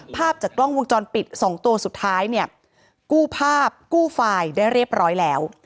ภาพจากกล้องวงจรปิดสองตัวสุดท้ายเนี่ยกู้ภาพกู้ไฟล์ได้เรียบร้อยแล้ว